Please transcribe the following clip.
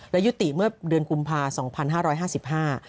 และยุติเมื่อเดือนกุมภาสองพันห้าร้อยห้าสิบห้า